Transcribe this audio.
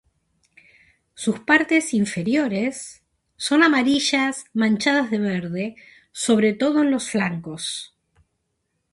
Sus partes inferiores son amarillas manchadas de verde, sobre todo en los flancos.